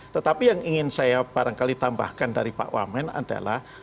tetapi yang ingin saya barangkali tambahkan dari pak wamen adalah